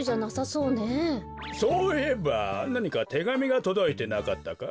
そういえばなにかてがみがとどいてなかったか？